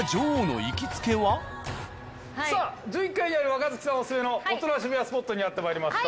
さあ１１階にある若槻さんおすすめの大人渋谷スポットにやってまいりました。